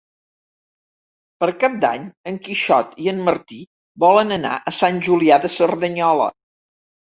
Per Cap d'Any en Quixot i en Martí volen anar a Sant Julià de Cerdanyola.